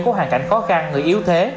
có hoàn cảnh khó khăn người yếu thế